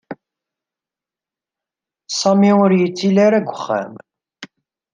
Sami ur yettili ara deg uxxam.